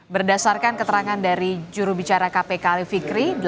berdasarkan keterangan dari jurubicara kpk alif fikri